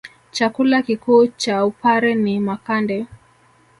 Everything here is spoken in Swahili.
Chakula kikuu cha wpare ni makande